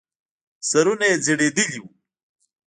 سرونه يې ځړېدلې وو.